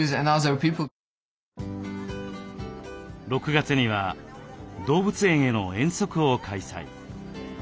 ６月には動物園への遠足を開催。